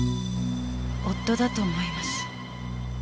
夫だと思います。